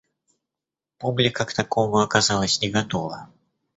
Публика к такому оказалась не готова.